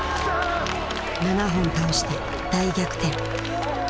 ７本倒して大逆転。